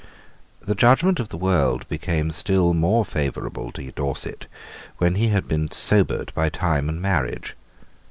The judgment of the world became still more favourable to Dorset when he had been sobered by time and marriage.